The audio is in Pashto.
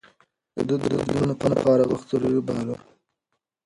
ده د بدلون لپاره وخت ضروري باله.